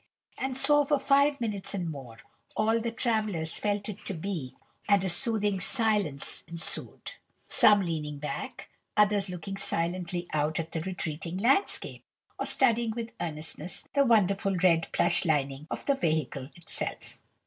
And so for five minutes and more, all the travellers felt it to be, and a soothing silence ensued; some leaning back, others looking silently out at the retreating landscape, or studying with earnestness the wonderful red plush lining of the vehicle itself.